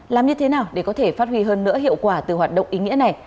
làm như thế nào để có thể phát huy hơn nữa hiệu quả từ hoạt động ý nghĩa này